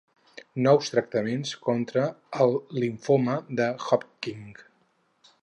Nous tractament contra el limfoma de Hodgkin.